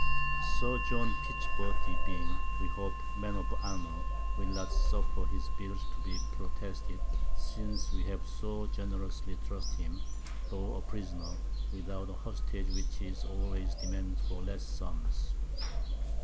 Sir John Pichberty being, we hope, a Man of Honour, will not suffer his Bills to be protested, since we have so generously trusted him, tho' a Prisoner, without a Hostage, which is always demanded for less Sums.